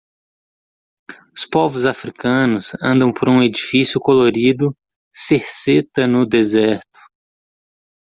Os povos africanos andam por um edifício colorido cerceta no deserto.